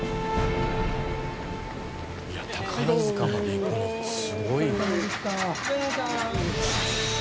いや宝塚まで行くのすごい。